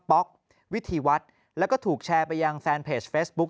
ป๊อกวิธีวัดแล้วก็ถูกแชร์ไปยังแฟนเพจเฟซบุ๊ค